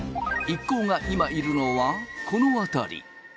一行が今いるのはこのあたり。